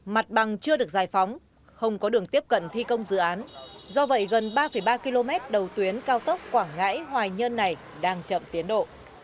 mặt bằng chưa được giải phóng không có đường tiếp cận thi công dự án do vậy gần ba ba km đầu tuyến cao tốc quảng ngãi hoài nhơn này đang chậm tiến độ